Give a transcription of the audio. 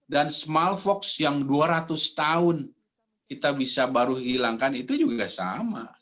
dan smallpox yang dua ratus tahun kita bisa baru hilangkan itu juga sama